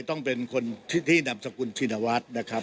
ต้องเป็นคนที่นามสกุลชินวัฒน์นะครับ